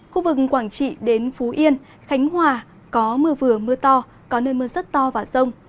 khu vực quảng trị đến phú yên khánh hòa có mưa vừa mưa to có nơi mưa rất to và rông